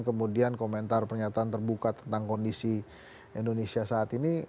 kemudian komentar pernyataan terbuka tentang kondisi indonesia saat ini